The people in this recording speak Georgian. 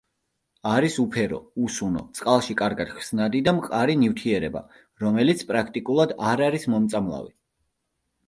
არის უფერო, უსუნო, წყალში კარგად ხსნადი და მყარი ნივთიერება, რომელიც პრაქტიკულად არ არის მომწამლავი.